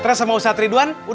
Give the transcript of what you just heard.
teruspurokang rasa no